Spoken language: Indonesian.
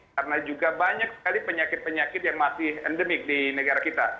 karena juga banyak sekali penyakit penyakit yang masih endemik di negara kita